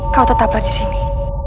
kau tetaplah di sini